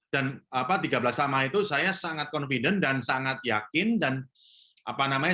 tiga belas sama itu saya sangat confident dan sangat yakin dan apa namanya